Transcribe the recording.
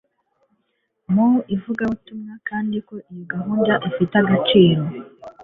mu ivugabutumwa kandi ko iyo gahunda ifite agaciro